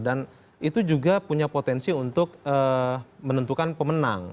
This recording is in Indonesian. dan itu juga punya potensi untuk menentukan pemenang